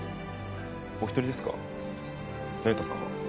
お一人ですか那由他さんは？